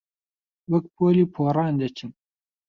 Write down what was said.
وەک پۆلی پۆڕان دەچن